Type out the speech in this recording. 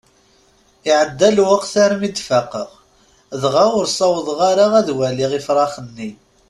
Iɛedda lweqt armi d-faqeɣ, dɣa ur sawḍeɣ ara ad waliɣ ifṛax-nni.